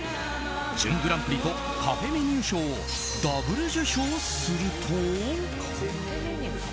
準グランプリとカフェメニュー賞をダブル受賞すると。